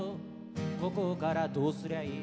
「「ここからどうすりゃいい？」」